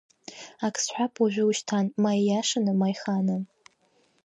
Акы сҳәап уажәы-уашьҭан, ма иашаны, ма ихааны.